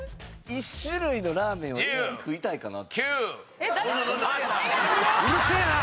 １種類のラーメン食いたいかな。